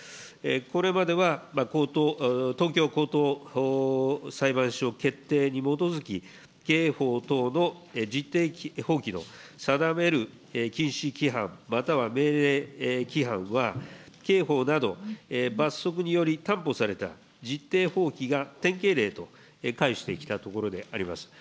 これまでは東京高等裁判所決定に基づき、刑法等の実定法規の定める禁止規範または命令規範は、刑法など罰則により担保された実定法規が典型例と解してきたところであります。